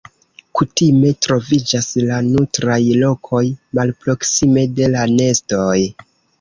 Kutime troviĝas la nutraj lokoj malproksime de la nestoj.